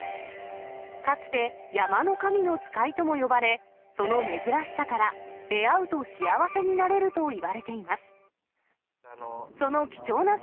かつて、山の神の使いとも呼ばれ、その珍しさから、出合うと幸せになれるといわれています。